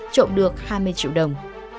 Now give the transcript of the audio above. trộm được hai mươi triệu đồng